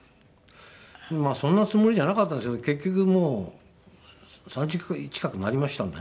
まあそんなつもりじゃなかったですけど結局もう３０回近くなりましたんでね